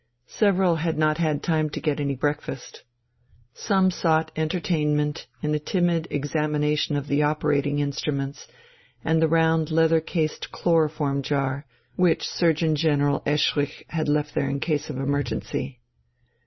Several had not had time to get any breakfast. Some sought entertainment in a timid examination of the operating instruments and the round leather cased chloroform jar, which Surgeon General Eschrich had left there in case of emergency.